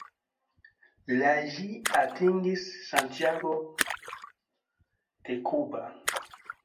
La ĝi atingis Santiago de Cuba.